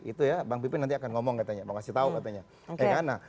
itu ya bang pipin nanti akan ngomong katanya mau kasih tahu katanya